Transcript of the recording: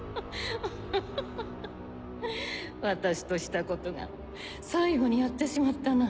私としたことが最後にやってしまったな。